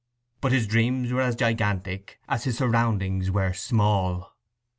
But his dreams were as gigantic as his surroundings were small.